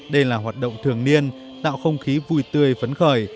đây là hoạt động thường niên tạo không khí vui tươi phấn khởi